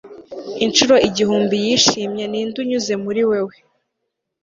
inshuro igihumbi yishimye ninde unyuze muri wewe